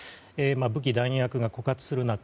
武器、弾薬が枯渇する中